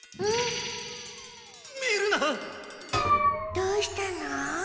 どうしたの？